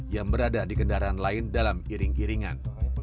yang berada di kendaraan lain dalam iring iringan